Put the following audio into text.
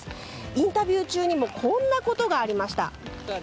インタビュー中にもこんなことがありました。